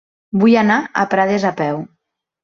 Vull anar a Prades a peu.